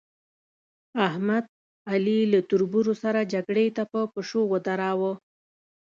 احمد؛ علي له تربرو سره جګړې ته په پشو ودراوو.